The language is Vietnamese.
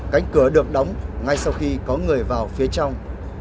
cánh cửa được đóng ngay sau khi có người vào phía trong